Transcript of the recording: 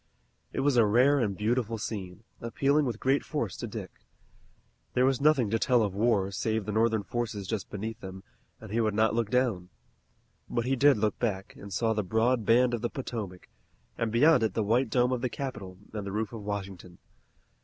It was a rare and beautiful scene, appealing with great force to Dick. There was nothing to tell of war save the Northern forces just beneath them, and he would not look down. But he did look back, and saw the broad band of the Potomac, and beyond it the white dome of the Capitol and the roof of Washington.